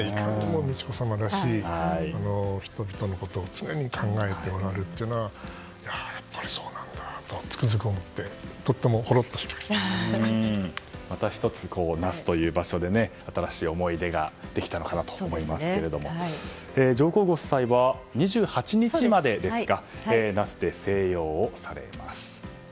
美智子さまらしい人々のことを常に考えておられるというのはやっぱりそうなんだとつくづく思ってまた１つ、那須という場所で新しい思い出ができたのかなと思いますけど上皇ご夫妻は２８日まで那須で静養をされます。